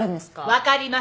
分かります。